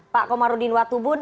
pak komarudin watubun